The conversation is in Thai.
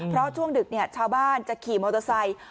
เพราะช่วงดึกชาวบ้านจะขี่มอเตอร์ไซค์